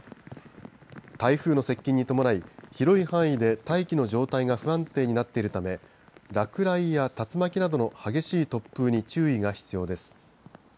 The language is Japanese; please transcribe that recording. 台風の接近に伴い、広い範囲で大気の状態が不安定になっているため落雷や竜巻などの激しい突風に注意が必要です。